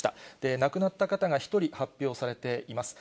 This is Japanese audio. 亡くなった方が１人発表されています。